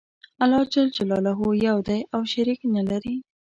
الله ج یو دی او شریک نلری.